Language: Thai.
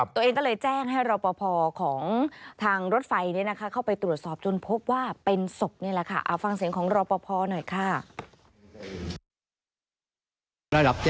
ตัวเองก็เลยแจ้งให้รอปภของทางรถไฟเข้าไปตรวจสอบจนพบว่าเป็นศพนี่แหละค่ะ